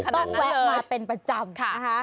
ต้องแวะมาเป็นประจำ